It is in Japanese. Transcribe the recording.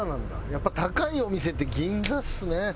やっぱ高いお店って銀座ですね。